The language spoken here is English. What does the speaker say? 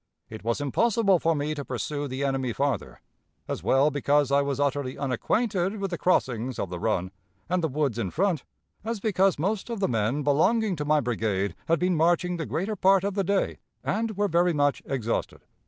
It was impossible for me to pursue the enemy farther, as well because I was utterly unacquainted with the crossings of the Run and the woods in front, as because most of the men belonging to my brigade had been marching the greater part of the day and were very much exhausted.